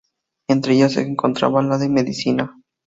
Entre ellas se encontraba la de Medicina.